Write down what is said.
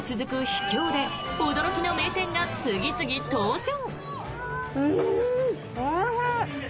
秘境で驚きの名店が次々登場。